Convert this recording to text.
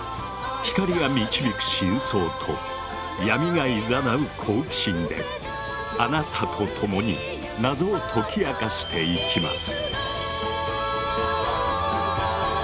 光が導く真相と闇が誘う好奇心であなたと共に謎を解き明かしていきます。